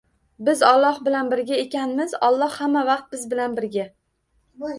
Biz Olloh bilan birga ekanmiz, Olloh hamma vaqt biz bilan birga.